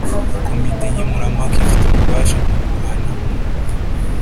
Komite nkemurampaka ifite ububasha bwo guhana umuntu